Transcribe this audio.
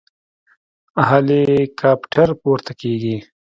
هليكاپټر پورته کېږي.